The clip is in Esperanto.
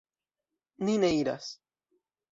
Ni ne iras.